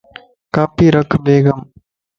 کاپي رک بيگ ام